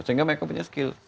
sehingga mereka punya skill